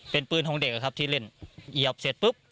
เป็นปืนของเด็กครับที่เล่นเหยียบเสร็จปุ๊บ